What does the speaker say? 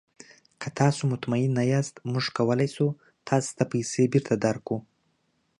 که تاسو مطمین نه یاست، موږ کولی شو تاسو ته پیسې بیرته درکړو.